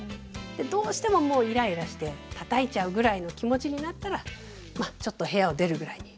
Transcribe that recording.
どうしてもイライラしてたたいちゃうぐらいの気持ちになったらまあちょっと部屋を出るぐらいに。